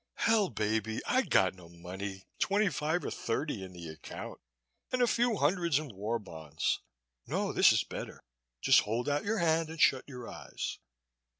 "Hell, baby, I got no money twenty five or thirty in the account and a few hundreds in war bonds. No, this is better. Just hold out your hand and shut your eyes."